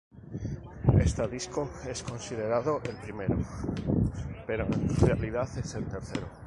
Esta disco es considerado el primero, pero en realidad es el tercero.